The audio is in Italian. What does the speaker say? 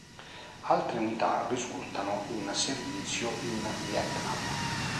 Altre unità risultano in servizio in Vietnam.